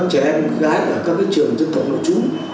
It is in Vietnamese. các trẻ em gái ở các trường dân tộc lộ trú